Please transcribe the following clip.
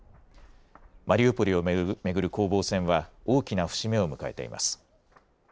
マリウポリを巡る攻防戦は大きな節目を迎えています。